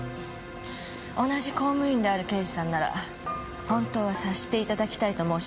同じ公務員である刑事さんなら本当は察していただきたいと申し上げているんです。